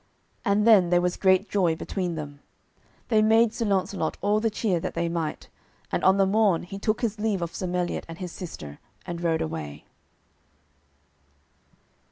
And then there was great joy between them. They made Sir Launcelot all the cheer that they might, and on the morn he took his leave of Sir Meliot and his sister, and rode away.